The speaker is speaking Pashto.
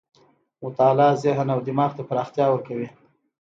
مطالعه ذهن او دماغ ته پراختیا ورکوي.